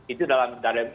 itu dalam dalam